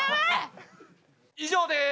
以上です。